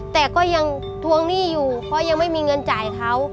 แต่ก็ยังทวงหนี้อยู่เพราะยังไม่มีเงินจ่ายเขา